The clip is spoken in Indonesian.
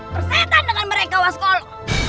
persetan dengan mereka waskolo